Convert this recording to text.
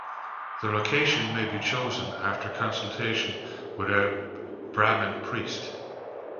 The location may be chosen after consultation with a Brahmin priest.